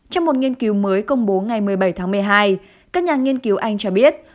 trong một nghiên cứu mới công bố ngày một mươi bảy tháng một mươi hai các nhà nghiên cứu anh cho biết